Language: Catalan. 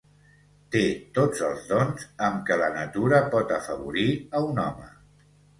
Té tots els dons amb que la natura pot afavorir a un home.